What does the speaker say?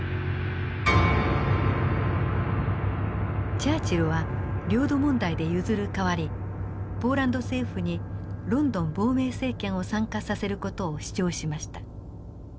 チャーチルは領土問題で譲る代わりポーランド政府にロンドン亡命政権を参加させる事を主張しました。